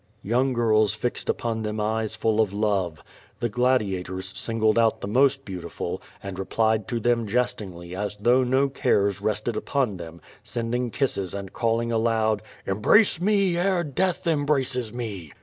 Young girls fixed upon them eyes full of love. Tlie gladiators singled out the most beautiful, and replied to them jestingly, as though no cares rested upon them, sending kisses and calling aloud: "Embrace me ere death embraces me!"